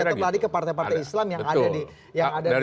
untuk lari ke partai partai islam yang ada di